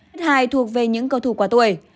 hết hai thuộc về những cầu thủ quá tuổi